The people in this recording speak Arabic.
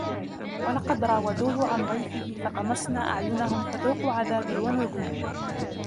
ولقد راودوه عن ضيفه فطمسنا أعينهم فذوقوا عذابي ونذر